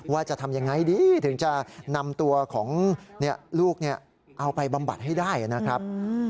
ว่าจะทำยังไงดีถึงจะนำตัวของลูกเอาไปบำบัดให้ได้นะครับ